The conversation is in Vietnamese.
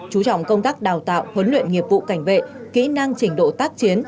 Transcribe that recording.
chú trọng công tác đào tạo huấn luyện nghiệp vụ cảnh vệ kỹ năng trình độ tác chiến